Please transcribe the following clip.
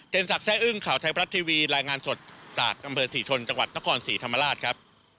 สักแซ่อึ้งข่าวไทยบรัฐทีวีรายงานสดจากอำเภอศรีชนจังหวัดนครศรีธรรมราชครับ